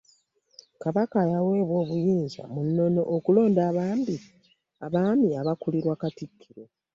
Kabaka yaweebwa obuyinza mu nnono okulonda abaami abakulirwa Katikkiro.